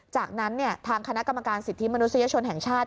จากนั้นทางคณะกรรมการสิทธิมนุษยชนแห่งชาติ